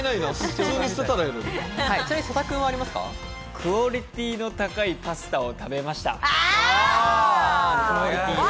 クオリティーの高いパスタを食べました。